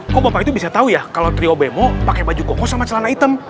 kok bapak itu bisa tahu ya kalau trio bemo pakai baju koko sama celana hitam